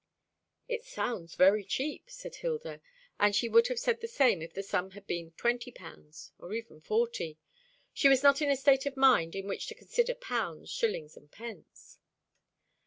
"It sounds very cheap," said Hilda, and she would have said the same if the sum had been twenty pounds, or even forty. She was not in a state of mind in which to consider pounds, shillings, and pence.